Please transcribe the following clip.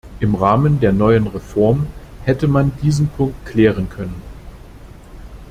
Im Rahmen der neuen Reform hätte man diesen Punkt klären können.